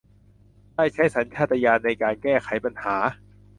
ได้ใช้สัญชาตญาณในการแก้ไขปัญหา